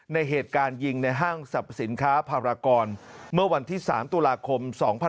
ในเหตุการณ์ยิงในห้างสรรพสินค้าภารกรเมื่อวันที่๓ตุลาคม๒๕๖๒